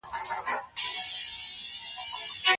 دغه ليدل څنګه مينه او محبت دائمي کوي؟